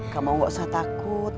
kamu gak usah takut